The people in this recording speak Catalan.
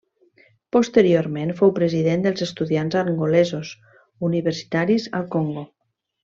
Posteriorment fou president dels estudiants angolesos universitaris al Congo.